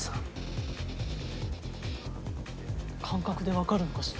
感覚でわかるのかしら？